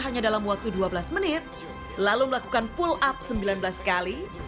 hanya dalam waktu dua belas menit lalu melakukan pull up sembilan belas kali